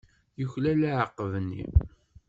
Yuklal aɛaqeb-nni.